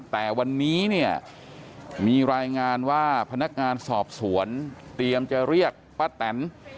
แต่วันนี้เนี่ยมีรายงานว่าพนักงานสอบสวนเตรียมจะเรียกป้าแตน